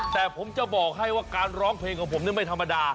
แต่ผมจะบอกให้ว่าการร้องเพลงของผมนี่ไม่ธรรมดา